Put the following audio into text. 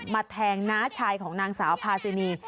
แทงน้าชายของนางสาวพาซินี